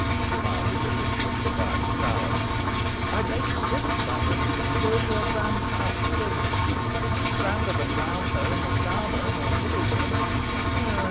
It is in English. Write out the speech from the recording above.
demanded Elizabeth Device, sourly. "I'd make you rich, mother, and build you a grand house to live in," replied Alizon; "much grander than Browsholme, or Downham, or Middleton."